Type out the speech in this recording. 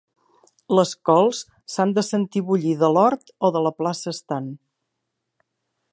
Les cols s'han de sentir bullir de l'hort o de la plaça estant.